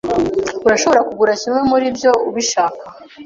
Urashobora kugura kimwe muribyo ubishaka.